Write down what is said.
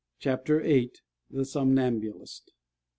CHAPTER VIII _The Somnambulist.